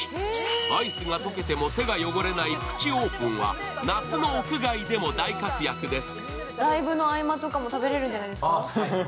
アイスが溶けても手が汚れないプチオープンは夏の屋外でも大活躍です。